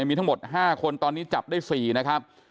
มีทั้งหมด๕คนตอนนี้จับได้๔นะครับ